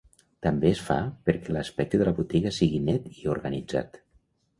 També es fa perquè l'aspecte de la botiga sigui net i organitzat.